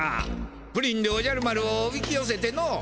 プリンでおじゃる丸をおびきよせての。